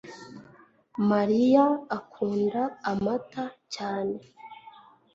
mariya akunda amata cyane